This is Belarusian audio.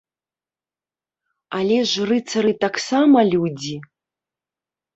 Але ж рыцары таксама людзі!